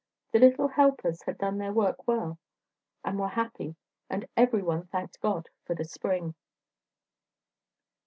The little helpers had done their work well, and were happy and every one thanked God for the spring.